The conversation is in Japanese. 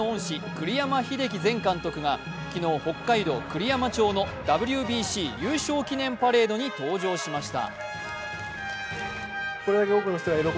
栗山英樹前監督が昨日、北海道栗山町のＷＢＣ優勝記念パレードに登場しました。